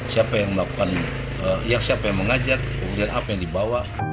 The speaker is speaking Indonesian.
siapa yang melakukan ya siapa yang mengajak kemudian apa yang dibawa